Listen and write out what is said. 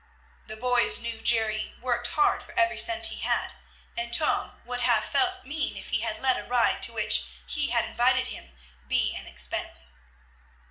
The boys knew Jerry worked hard for every cent he had, and Tom would have felt mean if he had let a ride to which he had invited him be an expense.